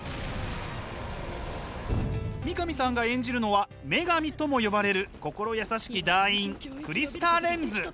三上さんが演じるのは女神とも呼ばれる心優しき団員クリスタ・レンズ。